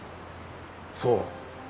そう。